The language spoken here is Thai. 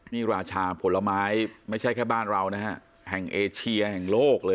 นี่ราชาผลไม้ไม่ใช่แค่บ้านเรานะฮะแห่งเอเชียแห่งโลกเลย